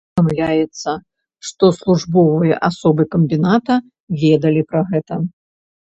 Паведамляецца, што службовыя асобы камбіната ведалі пра гэта.